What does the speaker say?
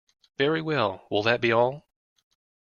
Very well, will that be all?